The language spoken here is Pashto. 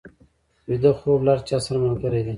ویده خوب له هر چا سره ملګری دی